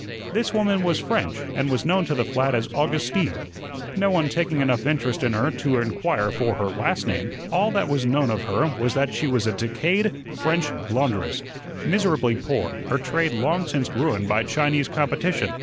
This woman was French, and was known to the flat as Augustine, no one taking enough interest in her to inquire for her last name; all that was known of her was that she was a decayed French laundress, miserably poor, her trade long since ruined by Chinese competition.